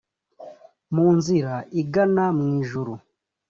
mu nzira igana mu ijuru